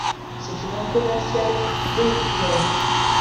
C'est une langue commerciale véhiculaire.